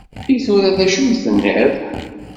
I tura, d acu tenniḍ?